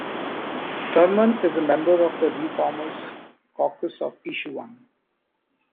Thurman is a member of the ReFormers Caucus of Issue One.